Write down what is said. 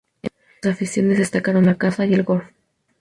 Entre sus aficiones destacaron la caza y el golf.